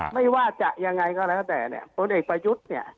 ไม่ว่าจะยังไงก็แล้วแต่เนี่ยพลเอกประยุทธ์เนี่ย